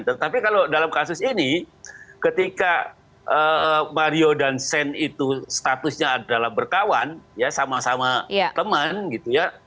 tetapi kalau dalam kasus ini ketika mario dan sen itu statusnya adalah berkawan ya sama sama teman gitu ya